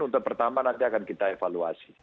untuk pertama nanti akan kita evaluasi